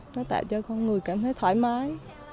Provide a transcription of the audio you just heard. nó tạo cho con người cảm thấy thoải mái